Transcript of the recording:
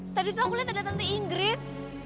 tadi tuh aku lihat ada tante ingrid